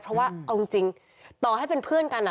เพราะว่าเอาจริงต่อให้เป็นเพื่อนกัน